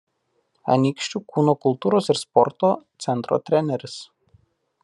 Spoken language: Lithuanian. Anykščių kūno kultūros ir sporto centro treneris.